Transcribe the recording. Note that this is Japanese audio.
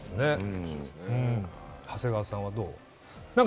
長谷川さんはどうですか？